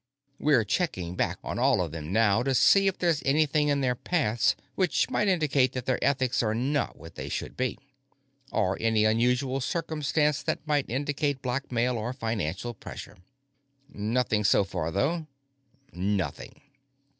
We're checking back on all of them now, to see if there's anything in their pasts which might indicate that their ethics are not what they should be. Or any unusual circumstance that might indicate blackmail or financial pressure." "Nothing so far, though?" "Nothing."